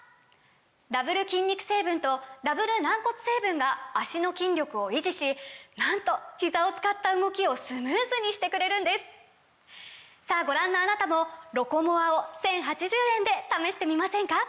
ダブル筋肉成分とダブル軟骨成分が脚の筋力を維持しなんとひざを使った動きをスムーズにしてくれるんですさぁご覧のあなたも「ロコモア」を１，０８０円で試してみませんか！